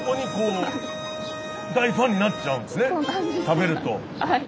食べると。